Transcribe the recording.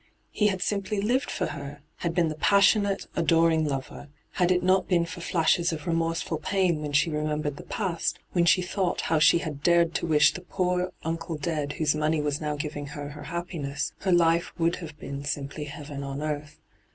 He had simply lived for her — had been the passionate, adoring hyGoo>^lc ENTRAPPED 141 lover. Had it not been for flashes of remorseful pain when she remembered the past, when she thought how she had dared to wish the poor uncle dead whoae money was now giving her her happiness, her life would have been simply heaven on earth.